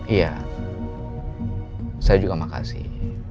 iya saya juga makasih